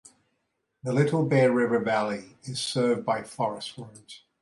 The Little Bear River valley is served by forest roads.